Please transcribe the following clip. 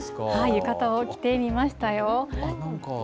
浴衣を着てみましたよ。